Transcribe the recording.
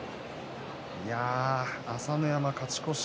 朝乃山勝ち越し。